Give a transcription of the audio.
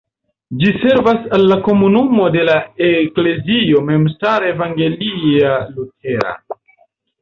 Ĝi servas al la komunumo de la Eklezio memstara evangelia-lutera.